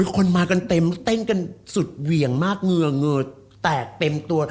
คนมากันเต็มเต้นกันสุดเหวี่ยงมากเหงื่อเงอแตกเต็มตัว